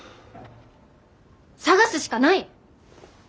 探すしかない！